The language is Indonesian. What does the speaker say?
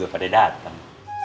udah pada datang